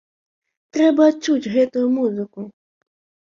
Трэба адчуць гэтую музыку!